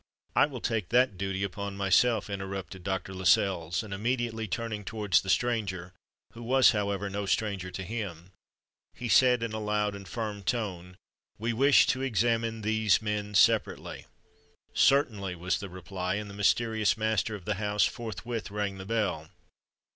I will take that duty upon myself," interrupted Dr. Lascelles; and, immediately turning towards the stranger—who was however no stranger to him—he said in a loud and firm tone, "We wish to examine these men separately." "Certainly," was the reply; and the mysterious master of the house forthwith rang the bell.